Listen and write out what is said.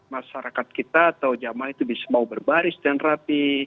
masyarakat kita atau jamaah itu bisa mau berbaris dan rapi